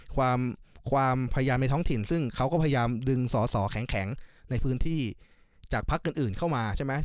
ความความพยายามในท้องถิ่นซึ่งเขาก็พยายามดึงสอสอแข็งในพื้นที่จากพักอื่นเข้ามาใช่ไหม